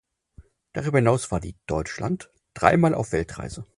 Darüber hinaus war die "Deutschland" dreimal auf Weltreise.